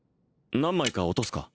何枚か落とすか？